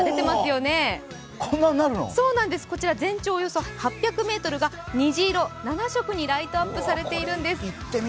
全長およそ８００ｍが虹色、７色にライトアップされているんです。